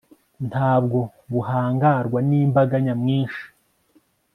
nta bwo buhangarwa n'imbaga nyamwinshi